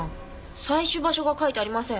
採取場所が書いてありません。